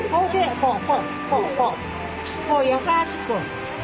こう優しく。